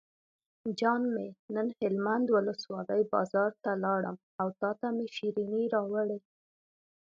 جان مې نن هلمند ولسوالۍ بازار ته لاړم او تاته مې شیرینۍ راوړې.